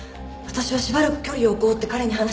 私はしばらく距離を置こうって彼に。